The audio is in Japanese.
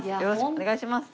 お願いします。